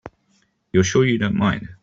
You're sure you don't mind?